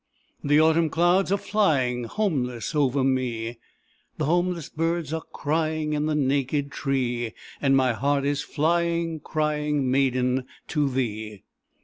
The autumn clouds are flying Homeless over me; The homeless birds are crying In the naked tree; And my heart is flying, crying, Maiden, to thee.